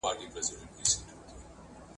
رېدي خپلې مېرمنې ته د هجران اور پرېښود.